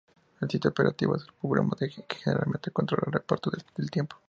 El sistema operativo es el programa que generalmente controla el reparto del tiempo.